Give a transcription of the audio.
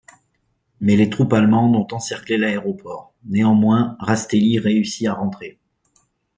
Mais les troupes allemandes ont encerclé l'aéroport, néanmoins Rastelli réussit à rentrer.